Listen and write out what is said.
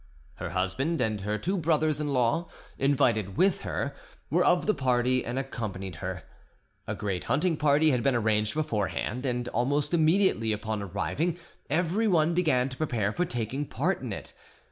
Her husband and her two brothers in law, invited with her, were of the party, and accompanied her. A great hunting party had been arranged beforehand, and almost immediately upon arriving everyone began to prepare for taking part in it.